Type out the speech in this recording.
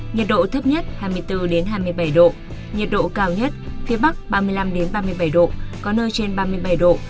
nhiệt độ thấp nhất hai mươi bốn hai mươi bảy độ vùng núi có nơi trên ba mươi năm ba mươi bảy độ